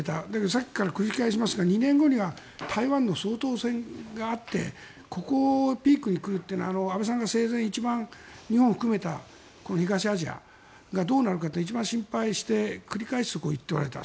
さっきから繰り返しますが２年後には台湾の総統選があってここをピークに来るというのは安倍さんが生前、一番日本を含めたこの東アジアがどうなるかって一番心配して繰り返して言っておられた。